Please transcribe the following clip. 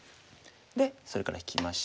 それから引きまして。